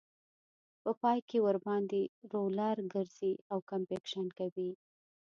په پای کې ورباندې رولر ګرځي او کمپکشن کوي